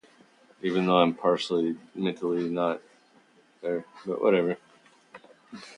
But this was not a success.